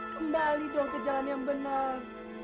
kembali dong ke jalan yang benar